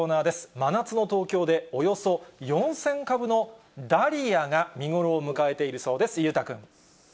真夏の東京で、およそ４０００株のダリアが見頃を迎えているそうです。